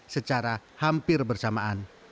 secara hampir bersamaan